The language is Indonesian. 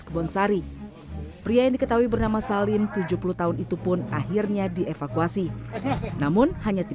kebonsari pria yang diketahui bernama salim tujuh puluh tahun itu pun akhirnya dievakuasi namun hanya